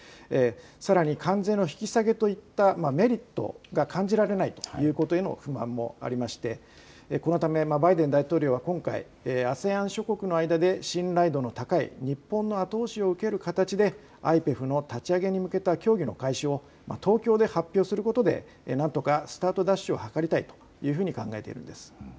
さらに関税の引き下げといったメリットが感じられないということへの不満もありましてこのためバイデン大統領は今回、ＡＳＥＡＮ諸国の間で信頼度の高い日本の後押しを受ける形でＩＰＥＦの立ち上げに向けた協議の開始を東京で発表することでなんとかスタートダッシュを図りたいという風に考えているんです。